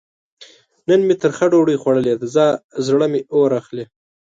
نن مې ترخه ډوډۍ خوړلې ده؛ زړه مې اور اخلي.